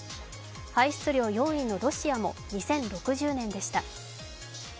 排出量４位のロシアも２０６０年でした。